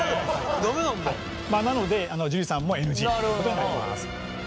まあなので樹さんもＮＧということになります。